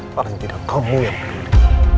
paling tidak kamu yang peduli